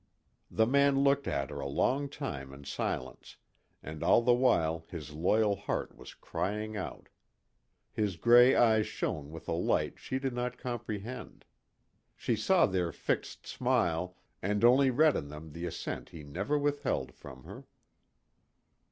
The man looked at her a long time in silence, and all the while his loyal heart was crying out. His gray eyes shone with a light she did not comprehend. She saw their fixed smile, and only read in them the assent he never withheld from her.